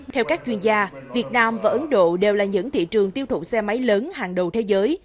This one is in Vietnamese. theo các chuyên gia việt nam và ấn độ đều là những thị trường tiêu thụ xe máy lớn hàng đầu thế giới